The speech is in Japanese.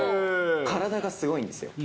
体がすごいんですよ。